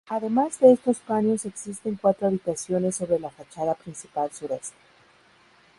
Además de estos paños existen cuatro habitaciones sobre la fachada principal sureste.